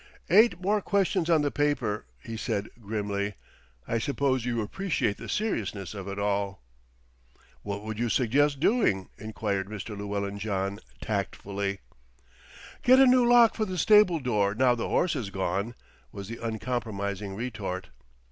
"Eight more questions on the paper," he said grimly. "I suppose you appreciate the seriousness of it all." "What would you suggest doing?" enquired Mr. Llewellyn John tactfully. "Get a new lock for the stable door now the horse is gone," was the uncompromising retort.